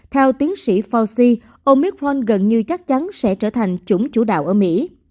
theo tiến sĩ fauci omicron gần như chắc chắn sẽ trở thành chủng chủ đạo ở mỹ